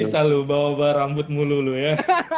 bisa lu bawa barang rambut mulu lu ya